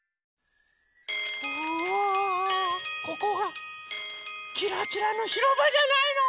あここがキラキラのひろばじゃないの！